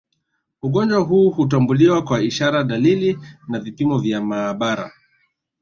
Ugonjwa huu hutambuliwa kwa ishara dalili na vipimo vya maabara